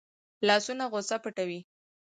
لاسونه غصه پټوي